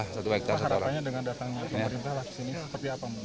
harapannya dengan datang pemerintah lah disini seperti apa